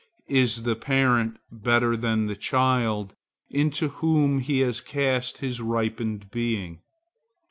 Is the parent better than the child into whom he has cast his ripened being?